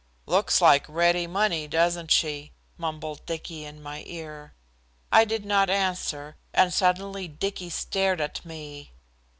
"Looks like ready money, doesn't she?" mumbled Dicky in my ear. I did not answer, and suddenly Dicky stared at me.